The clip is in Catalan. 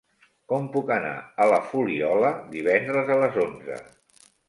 Com puc anar a la Fuliola divendres a les onze?